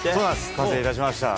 完成いたしました。